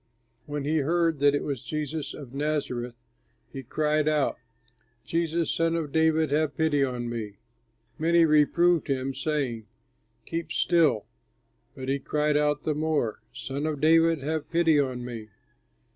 When he heard that it was Jesus of Nazareth, he cried out, "Jesus, son of David, have pity on me!" Many reproved him, saying, "Keep still," but he cried out the more, "Son of David, have pity on me!"